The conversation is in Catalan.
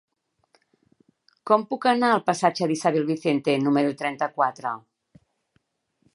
Com puc anar al passatge d'Isabel Vicente número trenta-quatre?